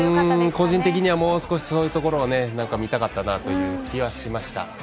個人的にはもう少しそういったところを見たかったなという気はしました。